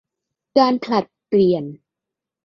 การผลัดเปลี่ยน